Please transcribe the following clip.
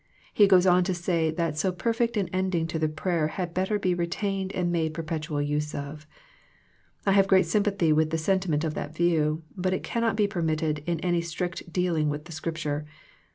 He goes on to say that so perfect an ending to the prayer had better be retained and made perpetual use of. I have great sympathy with the sentiment of that view, but it cannot be permitted in any strict dealing with the Scrip ture.